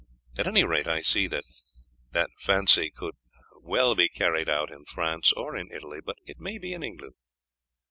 At any rate I see that that fancy could not well be carried out in France or in Italy, but it may be in England.'